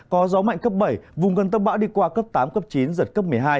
có gió mạnh cấp bảy vùng gần tâm bão đi qua cấp tám cấp chín giật cấp một mươi hai